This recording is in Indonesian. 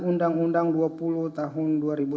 undang undang nomor dua puluh tahun dua ribu satu